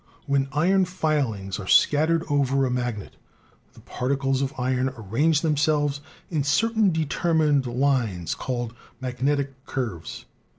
When iron filings are scattered over a magnet, the particles of iron arrange themselves in certain deter mined lines called magnetic curves.